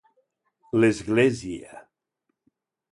L'Església.